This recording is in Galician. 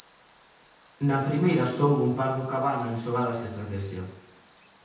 Na primeira só houbo un par do Cabana en xogadas de estratexia.